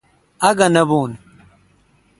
اگھہ نہ بھوں۔